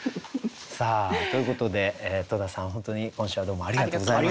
さあということで戸田さん本当に今週はどうもありがとうございました。